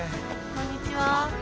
こんにちは。